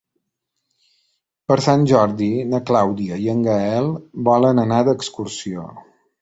Per Sant Jordi na Clàudia i en Gaël volen anar d'excursió.